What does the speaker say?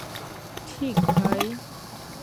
ঠিক, ভাই?